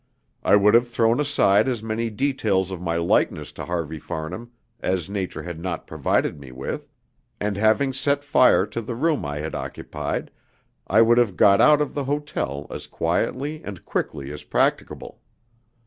I would have thrown aside as many details of my likeness to Harvey Farnham as nature had not provided me with, and having set fire to the room I had occupied, I would have got out of the hotel as quietly and quickly as practicable.